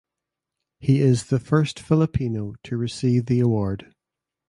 He is the first Filipino to receive the award.